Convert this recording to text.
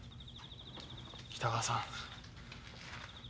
北川さん。